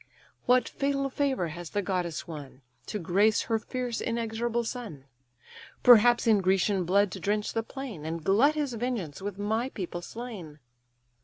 What fatal favour has the goddess won, To grace her fierce, inexorable son? Perhaps in Grecian blood to drench the plain, And glut his vengeance with my people slain."